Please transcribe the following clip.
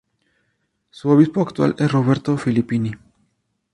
Su obispo actual es Roberto Filippini.